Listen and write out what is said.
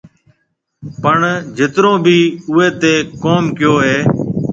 پڻ جِترون ڀِي اُوئي تي ڪوم ڪيو هيَ۔